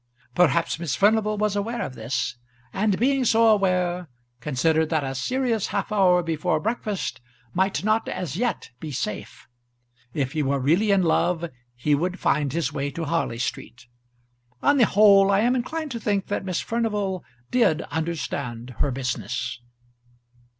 Perhaps Miss Furnival was aware of this, and, being so aware, considered that a serious half hour before breakfast might not as yet be safe. If he were really in love he would find his way to Harley Street. On the whole I am inclined to think that Miss Furnival did understand her business.